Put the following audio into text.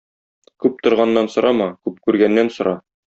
Күп тoргaннaн сoрaмa, күп күргәннән сoрa.